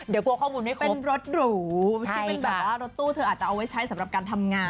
เดี๋ยวกลัวข้อมูลไม่เป็นรถหรูที่เป็นแบบว่ารถตู้เธออาจจะเอาไว้ใช้สำหรับการทำงาน